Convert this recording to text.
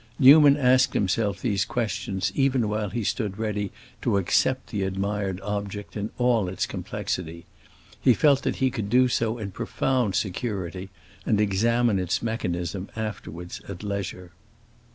Newman asked himself these questions even while he stood ready to accept the admired object in all its complexity; he felt that he could do so in profound security, and examine its mechanism afterwards, at leisure.